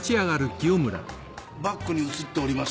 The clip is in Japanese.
バッグに写っております